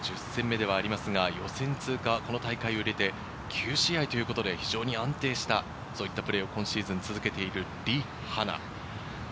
今シーズンのこれが１０戦目ではありますが、予選通過はこの大会を入れて、９試合ということで非常に安定した、そういったプレーを今シーズン続けている、リ・ハナ。